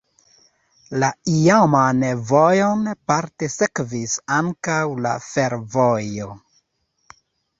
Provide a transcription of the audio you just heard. La iaman vojon parte sekvis ankaŭ la fervojo.